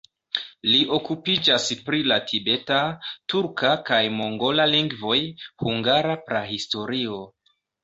Li okupiĝas pri la tibeta, turka kaj mongola lingvoj, hungara prahistorio.